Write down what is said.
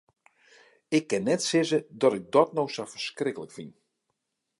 Ik kin net sizze dat ik dat no sa ferskriklik fyn.